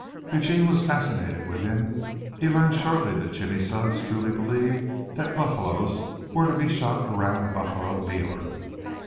Eugene was fascinated with him. He learned shortly that Jimmy Sudds truly believed that buffaloes were to be shot around Buffalo, New York.